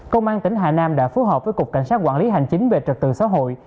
công an tỉnh hà nam đã phối hợp với cục cảnh sát quản lý hành chính về trật tự xã hội